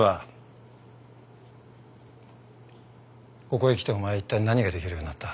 ここへ来てお前いったい何ができるようになった？